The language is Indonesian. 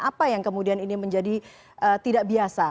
apa yang kemudian ini menjadi tidak biasa